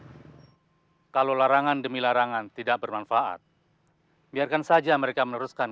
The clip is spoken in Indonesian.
hai kalau larangan demi larangan tidak bermanfaat biarkan saja mereka meneruskan